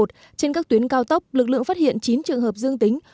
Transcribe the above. trên các tuyến cao tốc lực lượng phát hiện chín trường hợp dương tính